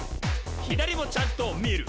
左もちゃんと見る！」